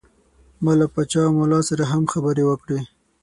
ما له پاچا ملا سره هم خبرې وکړې.